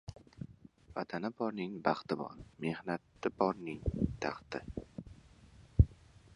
Vatani borning baxti bor, mehnati borning — taxti.